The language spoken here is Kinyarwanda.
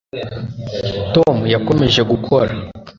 Tom yakomeje gukora